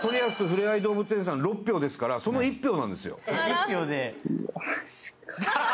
ふれあい動物園さん６票ですからその１票なんですよ